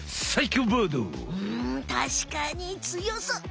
うんたしかにつよそう。